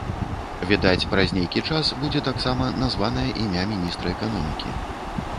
Відаць, праз нейкі час будзе таксама названае імя міністра эканомікі.